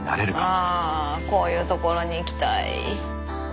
あこういう所に行きたい！